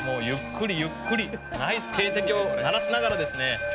ゆっくりゆっくりナイス警笛を鳴らしながらですね